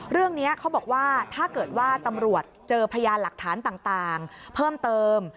เรื่องนี้เขาบอกว่าถ้าเกิดว่าตำรวจเจอพยานหลักฐานต่างเพิ่มเติม